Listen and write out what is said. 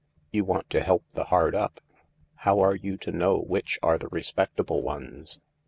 You want to help the hard up. How are you to know which are the respectable ones